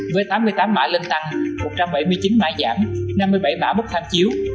với tám mươi tám mã lên tăng một trăm bảy mươi chín mã giảm năm mươi bảy mã mốc tham chiếu